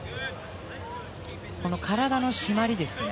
体のしなりですね。